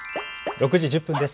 ６時１０分です。